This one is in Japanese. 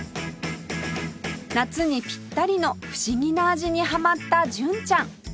夏にピッタリの不思議な味にハマった純ちゃん